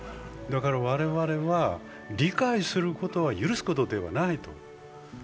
だから我々は理解することは許すことではないと。